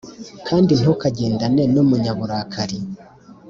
kandi ntukagendane n’umunyaburakari,